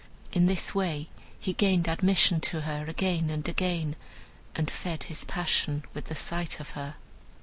In this way he gained admission to her again and again, and fed his passion with the sight of her.